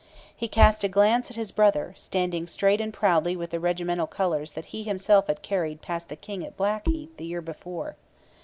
He cast a glance at his brother, standing straight and proudly with the regimental colours that he himself had carried past the king at Blackheath the year before.